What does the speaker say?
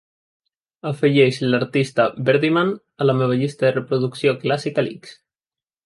Afegeix l'artista Beardyman a la meva llista de reproducció Classical x